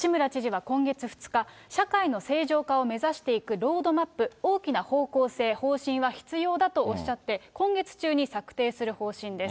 吉村知事は今月２日、社会の正常化を目指していくロードマップ、大きな方向性、方針は必要だとおっしゃって、今月中に策定する方針です。